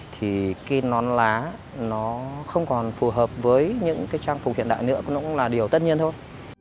thì cái non lá nó không còn phù hợp với những cái trang phục hiện đại nữa nó cũng là điều tất nhiên thôi